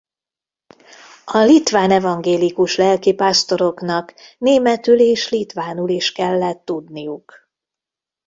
A litván evangélikus lelkipásztoroknak németül és litvánul is kellett tudniuk.